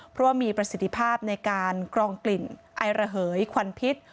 เพราะว่ามีประสิทธิภาพในการกรองกลิ่นไอระเหยควันพิษ